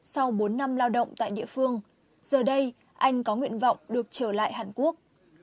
sau bốn năm lao động tại địa phương giờ đây anh có nguyện vọng được trở lại hàn quốc